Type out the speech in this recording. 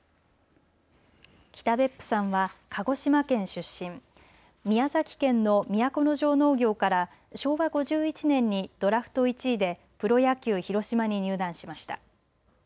北別府さんは鹿児島県出身宮崎県の都城農業から昭和５１年に、ドラフト１位でプロ野球広島に入団しました。